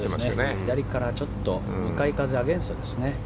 左から向かい風アゲンストですね。